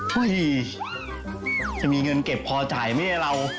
เฮ้ยจะมีเงินเก็บพอจ่ายไหมนะเรา